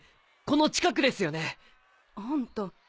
この近くですよね？あんた。